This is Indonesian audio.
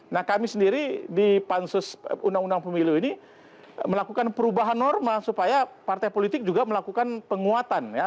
nah kami sendiri di pansus undang undang pemilu ini melakukan perubahan norma supaya partai politik juga melakukan penguatan ya